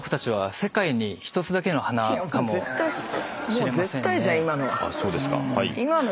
もう絶対じゃん今のは。